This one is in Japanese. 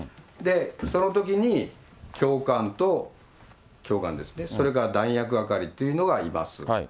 そのときに教官と、教官ですね、それから弾薬係というのがいます。